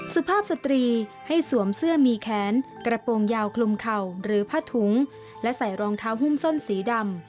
สุภาพสตรีให้สวมเสื้อมีแขนกระโปรงยาวคลุมเข่าหรือผ้าถุงและใส่รองเท้าหุ้มส้นสีดำ